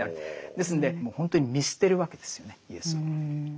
ですんでもう本当に見捨てるわけですよねイエスを。